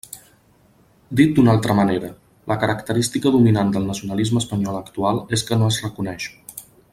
Dit d'una altra manera, «la característica dominant del nacionalisme espanyol actual és que no es reconeix».